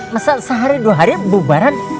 masa sehari dua hari bubaran